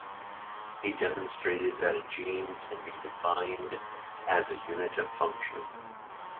He demonstrated that a gene can be defined as a unit of function.